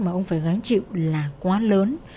mà ông phải gánh chịu là quá lớn